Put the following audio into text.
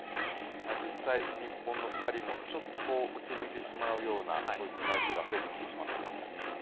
実際、日本の２人もちょっとうつむいてしまう回数が増えてきてしまっています。